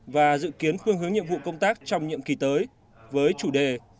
và dự kiến phương hướng nhiệm vụ công tác trong nhiệm kỳ tới với chủ đề